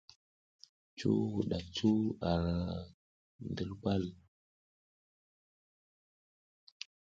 Cuw wuɗak cuw a ndir pal.